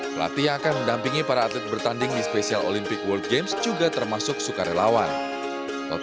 pada saat ini para sukarelawan berkumpul dengan para atlet